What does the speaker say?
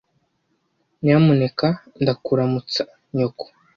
Nyamuneka ndakuramutsa nyoko.